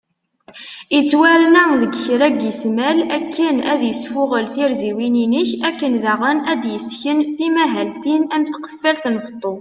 Ittwarna deg kra n ismal akken ad isfuγel tirziwin inek , akken daγen ad d-yesken timahaltin am tqefalt n beṭṭu